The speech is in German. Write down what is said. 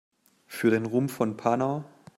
Für den Ruhm von Panau!